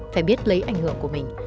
phải biết lấy ảnh hưởng của mình